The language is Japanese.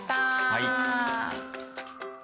はい。